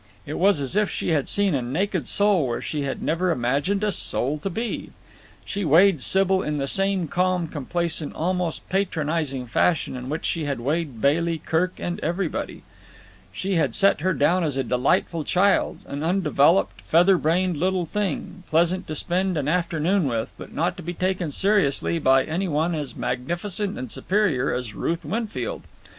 It was as if she had seen a naked soul where she had never imagined a soul to be. She had weighed Sybil in the same calm, complacent almost patronizing fashion in which she had weighed Bailey, Kirk, everybody. She had set her down as a delightful child, an undeveloped, feather brained little thing, pleasant to spend an afternoon with, but not to be taken seriously by any one as magnificent and superior as Ruth Winfield.